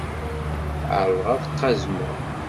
Ԑerḍeɣ ad qazmeɣ.